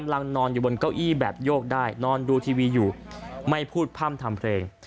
นอนอยู่บนเก้าอี้แบบโยกได้นอนดูทีวีอยู่ไม่พูดพร่ำทำเพลง